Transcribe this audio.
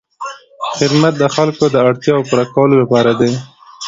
خدمت د خلکو د اړتیاوو پوره کولو لپاره دی.